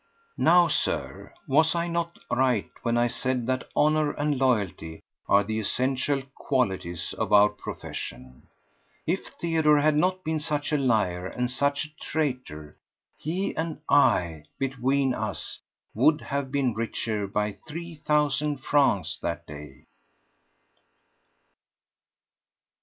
Now, Sir, was I not right when I said that honour and loyalty are the essential qualities in our profession? If Theodore had not been such a liar and such a traitor, he and I, between us, would have been richer by three thousand francs that day.